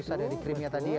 susah dari krimnya tadi ya